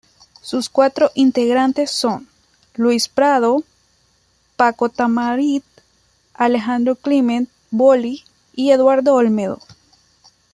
Sus cuatro integrantes son: Luis Prado, Paco Tamarit, Alejandro Climent "Boli" y Eduardo Olmedo.